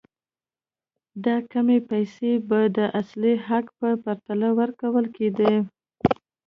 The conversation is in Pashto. دا کمې پیسې به د اصلي حق په پرتله ورکول کېدې.